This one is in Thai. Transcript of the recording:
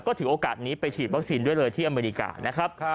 ก็ถือโอกาสนี้ไปฉีดวัคซีนด้วยเลยที่อเมริกานะครับ